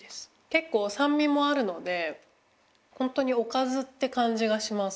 けっこうさんみもあるのでほんとにおかずってかんじがします。